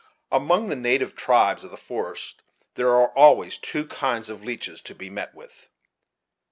Among the native tribes of the forest there were always two kinds of leeches to be met with.